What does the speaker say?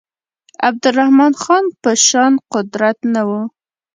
عبدالرحمن خان په شان قدرت نه وو.